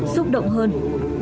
xúc động hơn là